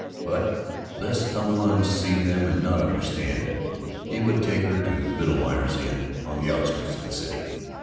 But, lest some one see them and not understand, he would take her to Biddlemeier's Inn, on the outskirts of the city.